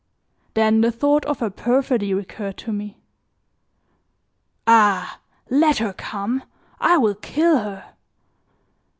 Then the thought of her perfidy recurred to me. "Ah! let her come! I will kill her!"